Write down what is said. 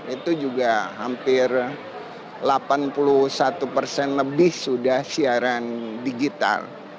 sembilan puluh tiga itu juga hampir delapan puluh satu persen lebih sudah siaran digital